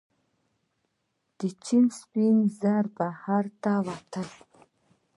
د چین سپین زر بهر ته ووتل.